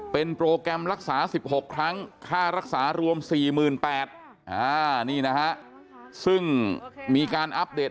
เป็นโปรแกรมรักษา๑๖ครั้งค่ารักษารวม๔๘๐๐นี่นะฮะซึ่งมีการอัปเดต